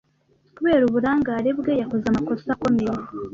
Kubera uburangare bwe, yakoze amakosa akomeye.